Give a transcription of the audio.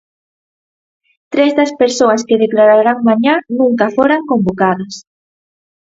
Tres das persoas que declararán mañá nunca foran convocadas.